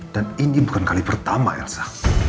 dan ini bukan kali pertama elsa